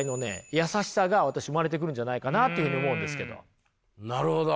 優しさが私生まれてくるんじゃないかなというふうに思うんですけど。